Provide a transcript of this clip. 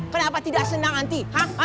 kenapa tidak senang anti